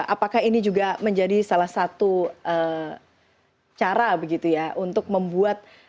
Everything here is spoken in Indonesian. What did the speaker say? apakah ini juga menjadi salah satu cara begitu ya untuk membuat